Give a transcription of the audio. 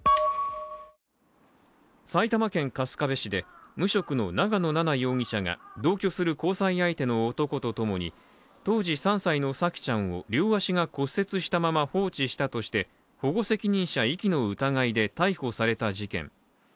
埼玉県春日部市で無職の長野奈々容疑者が同居する交際相手の男とともに当時３歳の沙季ちゃんを両足が骨折したまま放置したとして保護責任者遺棄の疑いで逮捕された事件。